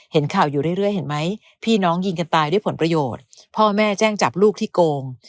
เห็นข่าวอยู่เรื่อยเห็นไหมพี่น้องยิงกันตายด้วยผลประโยชน์พ่อแม่แจ้งจับลูกที่โกง